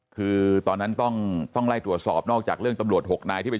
คือตอนนั้นต้องไล่ตรวจสอบนอกจากเรื่องตำรวจ๖นายที่เป็น